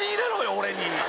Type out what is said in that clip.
俺に。